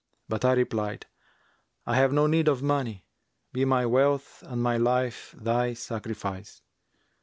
But I replied, 'I have no need of money; be my wealth and my life thy sacrifice!'